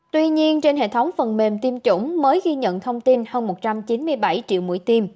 tuy nhiên trên hệ thống phần mềm tiêm chủng mới ghi nhận thông tin hơn một trăm chín mươi bảy triệu mũi tim